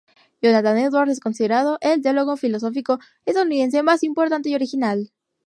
Jonathan Edwards es considerado "es el teólogo filosófico estadounidense más importante y original.